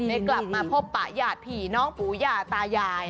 ได้กลับมาพบปะหยาดผีน้องปู่ย่าตายาย